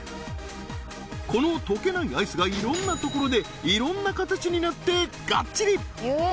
この溶けないアイスがいろんなところでいろんな形になってがっちり！